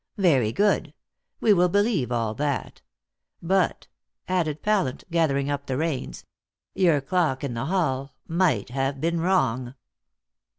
Very good. We will believe all that. But," added Pallant, gathering up the reins, "your clock in the hall might have been wrong."